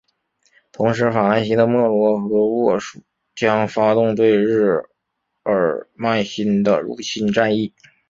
同时法兰西的莫罗和喔戌将发动对日耳曼新的入侵战役。